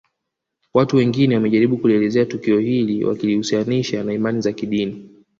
Watu wengine wamejaribu kulielezea tukio hili wakilihusisha na imani za kidini